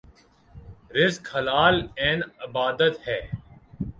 رزق حلال عین عبادت ہے